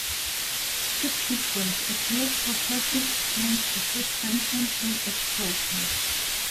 Subsequent appeal processes changed the suspension to expulsion.